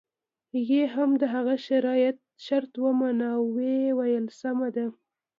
هغې هم د هغه شرط ومانه او ويې ويل سمه ده.